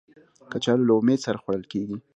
کچالو له امید سره خوړل کېږي